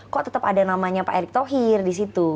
kok tetap ada namanya pak erik thohir disitu